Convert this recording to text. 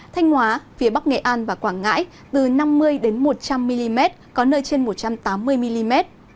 thanh hóa phía bắc nghệ an và quảng ngãi từ năm mươi một trăm linh mm có nơi trên một trăm tám mươi mm